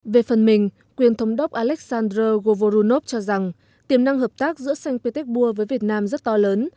về phần mình quyền thống đốc aleksandr govorunov cho rằng tiềm năng hợp tác giữa sanh pétek bua với việt nam rất to lớn